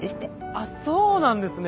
あっそうなんですね！